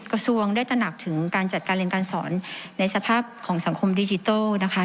กระทรวงได้ตระหนักถึงการจัดการเรียนการสอนในสภาพของสังคมดิจิทัลนะคะ